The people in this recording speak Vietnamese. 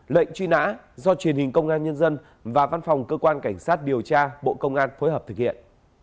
lệnh truy nã do truyền hình công an nhân dân và văn phòng cơ quan cảnh sát điều tra bộ công an phối hợp thực hiện